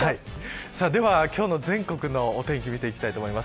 今日の全国のお天気見ていきたいと思います。